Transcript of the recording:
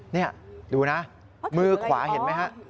นี่ดูนะมือขวาเห็นไหมฮะ